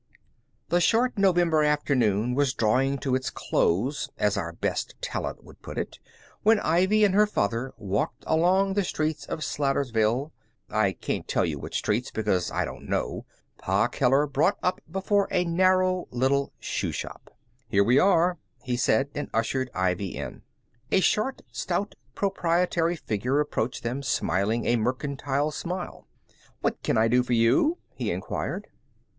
The short November afternoon was drawing to its close (as our best talent would put it) when Ivy and her father walked along the streets of Slatersville. (I can't tell you what streets, because I don't know.) Pa Keller brought up before a narrow little shoe shop. "Here we are," he said, and ushered Ivy in. A short, stout, proprietary figure approached them smiling a mercantile smile. "What can I do for you?" he inquired.